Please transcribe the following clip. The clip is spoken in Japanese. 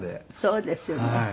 そうですよね。